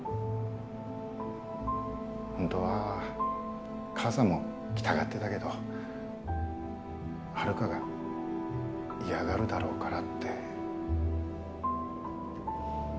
本当は母さんも来たがってたけどハルカが嫌がるだろうからって。